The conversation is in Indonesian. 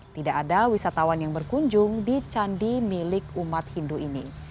tidak ada wisatawan yang berkunjung di candi milik umat hindu ini